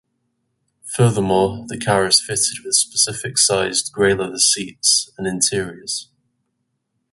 Furthermore, the car is fitted with specific sized grey leather seats and interiors.